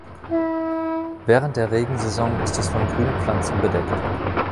Während der Regensaison ist es von Grünpflanzen bedeckt.